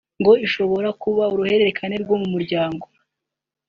ngo ishobora kuba uruhererekane rwo mu miryango